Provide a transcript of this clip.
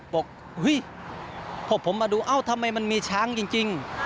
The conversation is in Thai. บอกเฮ้ยพวกผมมาดูเอ้าทำไมมันมีช้างจริง